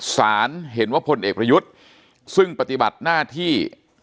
สารเห็นว่าพลเอกประยุทธ์ซึ่งปฏิบัติหน้าที่